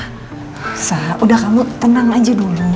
susah udah kamu tenang aja dulu